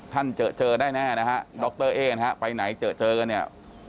ท่านเจอได้แน่นะฮะดรเอ๊ไปไหนเจอเนี่ย